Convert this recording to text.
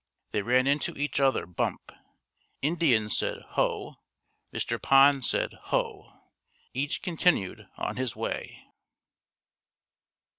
They ran into each other "bump." Indian said "Ho." Mr. Pond said, "Ho." Each continued on his way.